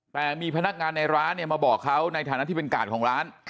แต่มีพนักงานในร้านเนี่ยมาบอกเขาในฐานะที่เป็นกาดของร้าน